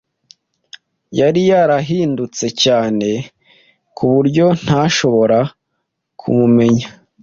Yari yarahindutse cyane kuburyo ntashobora kumumenya.